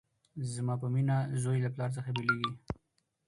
زما په مینه زوی له پلار څخه بیلیږي